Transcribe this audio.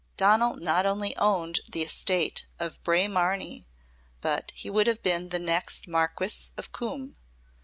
Donal not only owned the estate of Braemarnie, but he would have been the next Marquis of Coombe.